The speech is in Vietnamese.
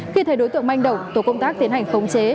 khi thấy đối tượng manh động tổ công tác tiến hành khống chế